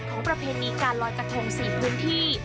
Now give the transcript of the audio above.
ของประเพณีการลอยกะทงสี่พื้นถี้